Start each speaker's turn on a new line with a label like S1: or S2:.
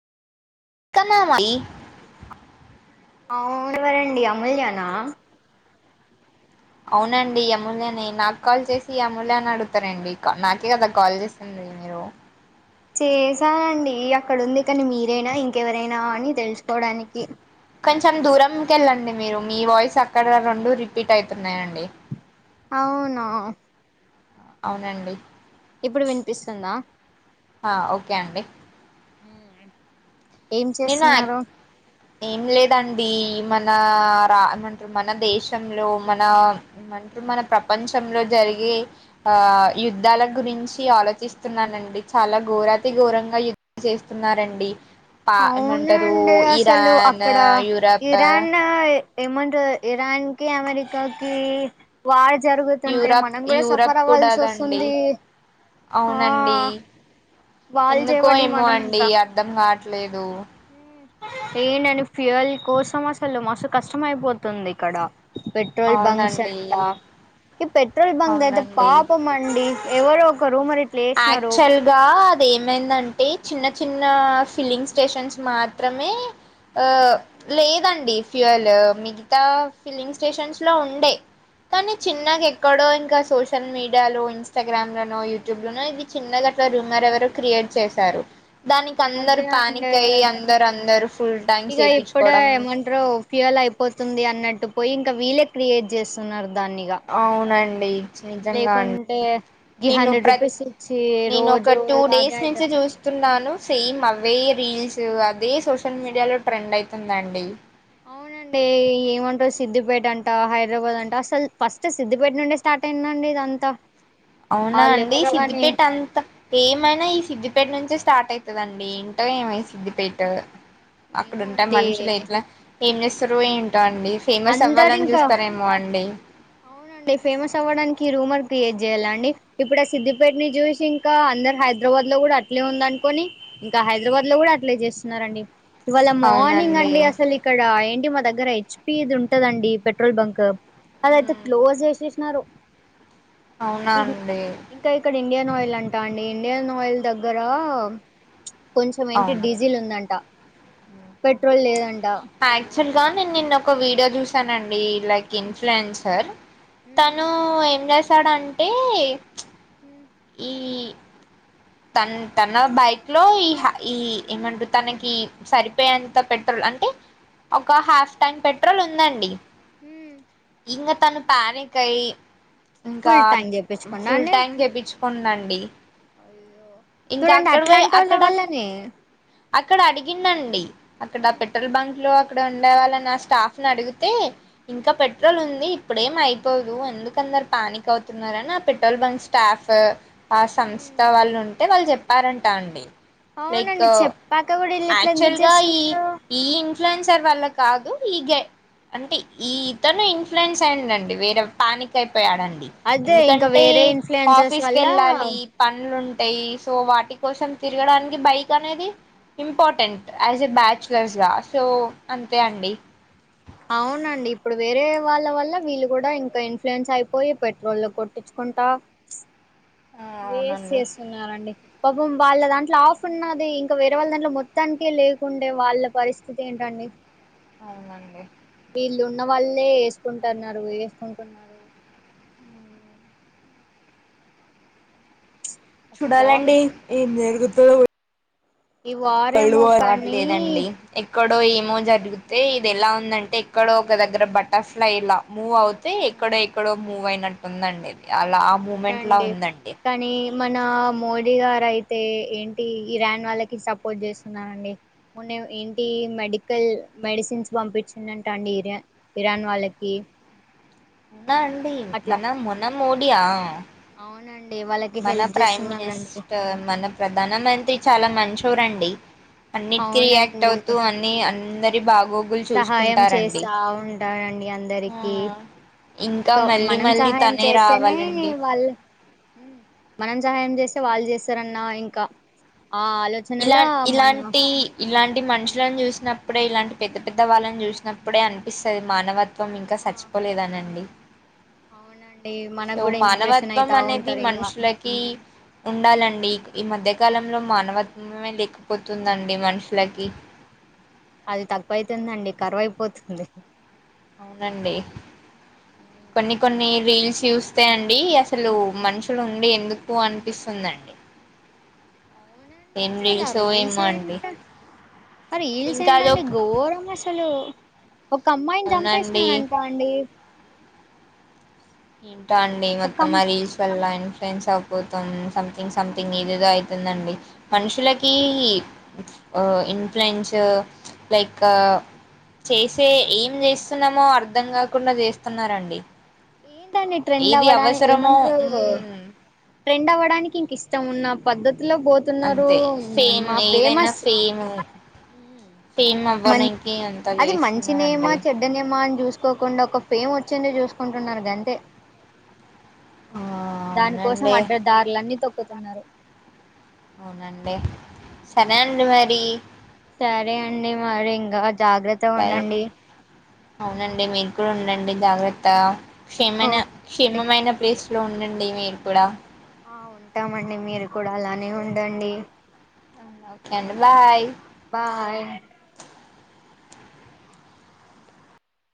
S1: కన్నా మరి
S2: అవును ఎవరండి అమూల్యానా
S1: అవునండి అమూల్యనే నాకు కాల్ చేసి అమూల్య అని అడుగుతారండి నాకే కదా కాల్ చేసింది మీరు
S2: చేసానండి అక్కడ ఉంది కానీ మీరైనా ఇంకెవరైనా అని తెలుసుకోవడానికి
S1: కొంచెం దూరంకి వెళ్ళండి మీరు మీ వాయిస్ అక్కడ రెండు రిపీట్ అవుతున్నాయండి
S2: అవునా
S1: అవునండి
S2: ఇప్పుడు వినిపిస్తుందా
S1: ఆ ఓకే అండి
S2: ఉమ్
S1: నేను యా ఏం లేదు ండి మన రా మంట మన దేశంలో మన మంట మన ప్రపంచంలో జరిగే ఆ యుద్ధాల గురించి ఆలోచిస్తున్నానండి చాలా ఘోరాతి ఘోరంగా యుద్ధం చేస్తున్నారండి పా ఏమంటారు
S2: అవునండి అసలు
S1: ఇరాన్
S2: అక్కడ
S1: యూరప్
S2: ఇరాన్ ఏమంట ఇరాన్ కి అమెరికాకి వార్ జరుగుతుంటే
S1: యూరప్
S2: మనం కూడా
S1: యూరప్
S2: సఫర్ అవ్వాల్సి
S1: కూడాదండి
S2: వస్తుంది ఆ
S1: అవునండి
S2: వాళ్ళు
S1: ఎందుకో
S2: చేయబడి
S1: ఏమో అండి అర్ధం కావట్లే లేదు
S2: ఏంటండీ ఫ్యూయల్ కోసం అసలు మస్తు కష్టం అయిపోతుంది ఇక్కడ పెట్రోల్ బంక్స్
S1: అవునండి
S2: అంట ఈ పెట్రోల్ బంక్ అయితే
S1: అవునండి
S2: పాపం అండి ఎవరు కో రూమర్
S1: యాక్చువల్ గా అది ఏమైందంటే చిన్న చిన్న ఫిల్లింగ్ స్టేషన్స్ మాత్రమే లేదండి ఫ్యూవల్ మిగతా ఫిల్లింగ్ స్టేషన్స్లో ఉండే కానీ చిన్నగా ఎక్కడో ఇంకా సోష షల్ మీడియాలోన్స్ ఇన్స్టాగ్రామ్ లోనో యూట్యూ ఇది చిన్నగట్ల రూమర్ ఎవరో క్రియేట్ చేశారు. దానికి అందరు పానిక్ అయ్యి అందరు అందరు ఫుల్ ట్యాంక్స్
S2: ఇగ ఇప్పుడే
S1: చేపించుకోవడం
S2: ఏమంటరు ఫ్యూవల్ అయిపోతుంది అన్నట్టు పోయి ఇంక వీళ్ళే క్రియేట్ చేస్తున్నారు. దాన్నిగా
S1: అవునన్ పయి నిజంగా
S2: లేకుంటే
S1: అండి
S2: ఈ
S1: నేను
S2: హండ్రెడ్
S1: ప్ర
S2: రూపీస్ ఇచ్చి
S1: నేను ఒక
S2: రోజు
S1: టూ
S2: లాగే
S1: డేస్ నుంచి
S2: అయిపోతది
S1: చూస్తున్నాను సేమ్ అవ్ అవే రీల్స్ అదే సోషల్ మీడియాలో ట్రెండ్ అయితుందండి.
S2: అవునండి ఏమంటారు సిద్దిపేటంట హైదరాబాద్ అంట అసలు ఫస్ట్ సిద్దిపేట నుండే స్టార్ట్ అయిందండి ఇదంతా
S1: అవునా
S2: వాళ్ళు
S1: అండి ఈ
S2: ఎవరో గాని
S1: సిద్దిపేట అంత ఏమైనా ఈ సిద్ధిపేట నుంచే స్టార్ట్ అయితదండి ఏంటో ఏమో ఈ సిద్దిపేట్
S2: ఏమో
S1: అక్కడుంటే
S2: అండి
S1: మనుషులు ఎట్లా ఏం చేస్తరో ఏంటో అన్ డి ఫేమస్
S2: అందరు
S1: అవ్వాలని
S2: ఇంకా
S1: చూస్తరేమో అండి
S2: అవునండి ఫేమస్ అవ్వడానికి ఈ రూమర్ క్రియేట్ చేయ్యాల అండి? ఇప్పుడు, ఆ సిద్ధదిపేట ని చూసి ఇంకా అందరు హైదరాబాద్ లో కూడ అట్లే ఉందనుకొని ఇంకా హైదరాబాద్ లో కూడా అట్లే చేస్తున్నారండి. ఇవాళ మార్నింగ్
S1: అవునండి
S2: అండి అసలు ఇక్కడ ఎన్ డి మా దగ్గర హెచ్పి దుంటదండి పెట్రోల్ బంక్ అదైయితే
S1: మ్మ్
S2: క్లోజ్ చేశేషినారు
S1: అవునా
S2: ఇది
S1: అండి
S2: ఇంకా ఇక్కడ ఇండియన్ ఆయిల్ లంటా అండి ఇండియన్ ఆయిల్ దగ్గరా కొంచెం ఏంటి
S1: అవును
S2: డీజిల్ ఉందంట. పెట్రోల్ లేదన్
S1: ఆక్చువల్గా నేను నిన్న ఒక వీడియో చూసానండి. లైక్
S2: హ్మ్
S1: ఇన్ఫ్లుయెన్సర్
S2: హ్మ్
S1: ఇస్తాడంటే
S2: హ్మ్
S1: ఈ తన్ తన బైక్ లో ఈ హా ఈ ఏమంటరు తనకి సరిపోయేంత పెట్రోల్ అంటే ఒక హాఫ్ ట్యాంక్ పెట్రోల్ ఉందండి.
S2: ఉ
S1: ఇంగ తను ప్యానిక్ అయ్యి ఇంకా
S2: ఫుల్ ట్యాంక్ చేపించుకున్నా
S1: ఫుల్
S2: అండి
S1: ట్యాంక్ చెపిచ్ కొందండి.
S2: చూడండి అట్లాంటోళ్ల
S1: అక్కడ
S2: వల్లనే
S1: అక్కడ అడిగిందండి. అక్కడ
S2: హ్మ్
S1: పెట్రోల్ బంక్ లో అక్కడ ఉండే వాళ్ళ నా స్టాఫ్ని అడిగితే.
S2: హ్మ్
S1: ఇంకా పెట్రోల్ ఉం ఇప్పుడేం అయిపోదూ. ఎందుకందరు పానిక్ అవుతున్నారని ఆ పెట్రోల్ బంక్ స్టాఫ. ఆ సంస్థ
S2: హ్మ్
S1: వాళ్ళు ఉం టే వాళ్ళు చెప్పారంటా అండి. లైక్
S2: అవునండి చెప్పాక కూడా ఈళ్లు ఇట్ల ఎందుకు
S1: యాక్చువల్గా ఈ
S2: చేస్తున్నారూ.
S1: ఈ ఇన్ఫ్లుయెన్సర్ వల్ల కాదు ఈగె, అంటే ఈతను ఇన్ఫ్లుయెన్స్ అయ్యండ్ అండి వేరే పానిక్ అయిప్ పోయాడండి.
S2: అదే ఇంకా
S1: ఎందుకంటే
S2: వేరే ఇన్ఫ్లుయెన్సెస్
S1: ఆఫీస్కి
S2: వల్ల
S1: ఎళ్ళాలి పనులుం యీ సో వాటి కోసం తిరగడానికి బైక్ అనేది ఇంపార్టెంట్ యాజ్ ఏ బ్యాచులర్స్ గా సో అంతే అండి.
S2: అవునండి ఇప్పుడు వేరే వాళ్ళ వల్ల వీళ్ళు కూడా ఇంకా ఇన్ఫ్లుయెన్స్ అయిపోయి పెట్రోల్ కొట్టించుకుంటా ప్చ్ వేస్
S1: అవునండి
S2: చేస్తున్నారండి పాపం వాళ్ళ దాంట్లో ఆఫ్ ఉన్నదీ ఇంక వేరే వాళ్ళ దాంట్లో మొత్తానికే లేకుండే వాళ్ళ పరిస్థితి ఏంటండి.
S1: అవునండి.
S2: వీళ్ళు ఉన్న వాళ్ళే ఏసుకంటన్నారు ఏసుకుంటున్నారు. అసలు వార్
S1: చూడాలండీ ఏం జరుగుతు తో
S2: ఈ
S1: రైళ్ళు
S2: వారేమో
S1: కూడ
S2: కానీ
S1: రాట్లేదండి ఎక్ ఎక్కడో ఏమో జరుగుతే ఇది ఎలా ఉందంటే ఎక్కడో ఒక దగ్గర బటర్ఫ్లైలా మూవ్ అవుతే ఇక్కడె ఎక్కడో. మూవ్ అయినట్టుందండి ఇది. అలా ఆ మూమెంట్ లా ఉందండి.
S2: మనా మోడీ గారయితే, ఏంటీ ఇరాన్ వాళ్ళకి సపోర్ట్ చేస్తున్నారండి. మొన్న ఏంటీ మెడికల్ మెడిసిన్స్ పంపిచ్చిండంటా అండీ ఇరా ఇరాన్ వాళ్ళకీ.
S1: ఉ ఆ అండీ మనం మొనం మోడీయా
S2: అవునండ్
S1: మన ప్రైమ్ మినిస్టర్. మన ప్రధాన మంత్రి చాలా మంచి చోరండి. అన్నిటికీ రియాక్ట్
S2: అవునండి
S1: అవుతూ అన్నీ అందరి బాగు
S2: సహాయం చేస్తా ఉంటారండీ
S1: ఆ
S2: అందరికీ. ఇంకా
S1: మళ్ళీ
S2: మనం
S1: మళ్ళీ
S2: సహాయం
S1: తనే
S2: చేస్తేనే
S1: రావాలండి
S2: వాళ్ళు మనం సహాయం చేస్తే వాళ్ళు చేస్తారన్నా ఇంకా ఆ
S1: ఇలా
S2: ఆలోచనలా మనా
S1: ఇలాంటి ఇలాంటి మనుషులను చూసినప్పుడే ఇలాంటి పెద్ద పెద్ద వాళ్ళని చూసినప్పుడే అనిపిస్తది మానవత్ త్వం ఇంకా సచ్చిపోలేదనండి.
S2: అవునం
S1: సో మానవత్వం అనేది
S2: ఇంకా
S1: మనుషులకి ఉండాలండి ఈ మధ్య కాలంలో మన
S2: ఉమ్,
S1: లే పోతుందండి మనుషులకి
S2: అది తక్కువ అైతుందండి కరువయిపోతుంది
S1: అవునండి
S2: ఉమ్,
S1: కొన్ని కొన్ని రీల్స్ చూస్తే అండి అసలు మనుషులు ఉండి ఎందుకు అనిపిస్తుందండి
S2: అవునండి
S1: ఏం
S2: అసలు ఆ
S1: రీల్సో
S2: రీల్స్
S1: ఏమో అండి
S2: ఏంట ఆ రీల్స్
S1: ఇంకా
S2: ఏంటండి
S1: అదొక
S2: ఘోరం అసలు ఒక అమ్మాయిని
S1: అవునండి
S2: చంపేసినారంటా అండి
S1: ఇం అడి
S2: ఒక
S1: మొత్తం
S2: అమ్-
S1: మరీల్స్ వెళ్ళండి ఫ్రెండ్స్ ఆగపోతు థింగ్ సంమ్థింగ్
S2: ఉమ్,
S1: ఏదేదో అవుతుందండి మనుషుల ఈ
S2: ఉమ్.
S1: ఇన్ఫ్లుయెన్స్ లైక్ చేసే ఏం చేస్తున్నామో అర్థం కాకుండా చేస్తున్నారండి
S2: ఏంటండి ట్రెండ్
S1: ఏది
S2: అవ్వడానికి
S1: అవసరమో
S2: ఏమంటారు
S1: మ్,
S2: ట్రెండ్ అవ్వడానికి ఇంక ఇష్టం ఉన్న పద్ధతి లో పోతున్నారు
S1: అంతే ఫేమ్
S2: మా
S1: ఏదైనా
S2: ఫేమస్
S1: ఫేమ్ ఫేమ్
S2: మ
S1: అవ్వడానికి అంతా
S2: అది మంచినేమా
S1: చేస్తున్నారండి
S2: చెడ్డనేమా అని చూసి చూసుకోకుండా ఒక ఫేమ్ వచ్చింది చూసుకుంటున్నారు గంతే
S1: ఆ
S2: దాని కోసం
S1: అవునండి
S2: అడ్దదారులన్నీ తొక్కుతున్నారు
S1: అవునండి సరే అండి మరి
S2: సరే అండి మారీ ఇంగా
S1: అ బాయి అవునండి మీరు కూడా ఉండండి జగ్రత్తా క్షేమైన
S2: ఓకే అండి
S1: క్షేమమైన ప్లేస్ ఇట్లా ఉండండి మీరు కూడా
S2: ఆ ఉంటామండి మీరు కూడా అలానే ఉండండి
S1: ఓకే అండి బాయ్
S2: బాయ్